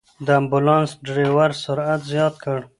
د امبولانس ډرېور سرعت زیات کړ.